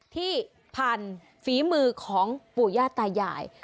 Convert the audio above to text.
ที่ผ่านฝีมือของปู่ย่าตายาย